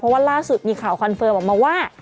เพราะว่าล่าสุดมีข่าวคอนเฟิร์มออกมาว่า